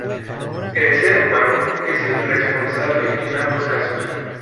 El ser humano es el responsable en ambos casos.